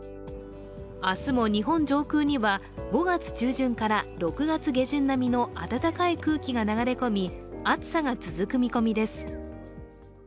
明日も日本上空には、５月中旬から６月下旬並みの暖かい空気が流れ込み暑さが続く見込みです。